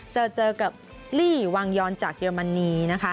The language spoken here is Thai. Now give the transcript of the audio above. เจอกับลีวางยอนจากเยอร์มันนี